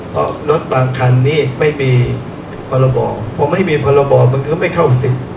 เพราะรถบางคันนี้ไม่มีพรบพอไม่มีพรบมันก็ไม่เข้าสิทธิ์